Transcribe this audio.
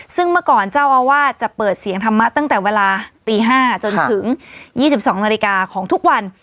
ซึ่งเมื่อก่อนเจ้าอาวาสจะเปิดเสียงธรรมะตั้งแต่เวลาตี๕จนถึง๒๒นาฬิกาของทุกวัน